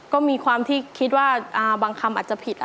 ก็มีความที่คิดว่าบางคำอาจจะผิด